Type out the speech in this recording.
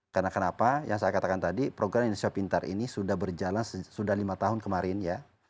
karena kenapa yang saya katakan tadi program indonesia pintar ini sudah berjalan sudah lima tahun kemarin ya